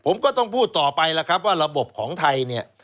ผมก็ต้องพูดต่อไปแล้วครับว่าระบบของไทยเนี่ย